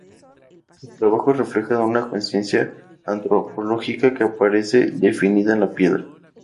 Sus trabajos reflejan una conciencia antropológica que aparece definida en la piedra.